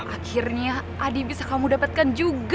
akhirnya adi bisa kamu dapatkan juga